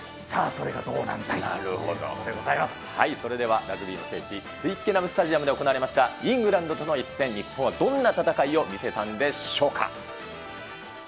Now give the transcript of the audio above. それでは、ラグビーの聖地、トゥイッケナム・スタジアムで行われましたイングランドとの一戦、日本はどんな戦いを見せたんでしょうか。